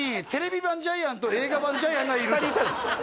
２人いたんです